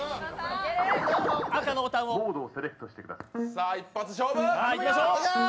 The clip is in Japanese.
さあ、一発勝負！